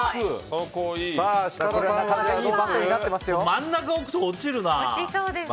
真ん中置くと落ちるな！